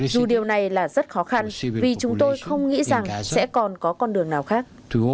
dù điều này là rất khó khăn vì chúng tôi không nghĩ rằng sẽ còn có con đường nào khác